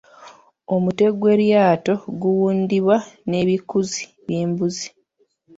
Omutwe gw’eryato guwundibwa nebikuzzi byembuzi.